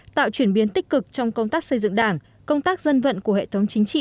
tạo chuyển biến tích cực trong công tác xây dựng đảng công tác dân vận của hệ thống chính trị